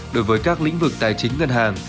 đối với các lĩnh vực tài chính ngân hàng